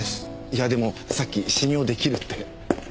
いやでもさっき信用出来るって。